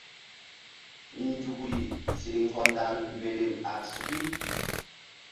Nzukri ziŋ hɔndal mberem a suki.